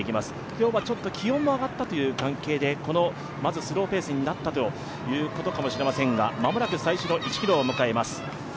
今日は気温も上がったという関係で、まずスローペースになったということかもしれませんが間もなく最初の１ｋｍを迎えます。